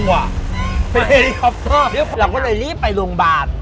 เราก็เลยรีบไปโรงพยาบาล